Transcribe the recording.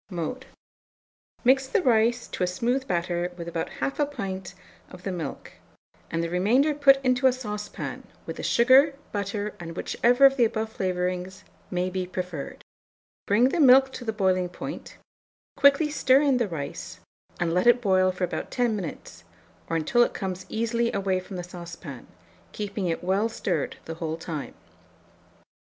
Mode. Mix the rice to a smooth batter with about 1/2 pint of the milk, and the remainder put into a saucepan, with the sugar, butter, and whichever of the above flavourings may be preferred; bring the milk to the boiling point, quickly stir in the rice, and let it boil for about 10 minutes, or until it comes easily away from the saucepan, keeping it well stirred the whole time.